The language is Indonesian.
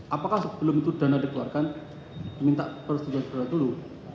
apakah sebelum itu dana dikeluarkan minta persetujuan saudara dulu